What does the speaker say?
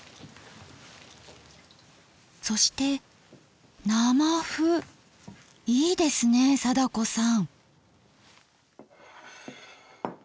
そしていいですね貞子さん。